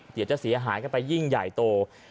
เดี๋ยวจะเสียหายกันไปยิ่งใหญ่โต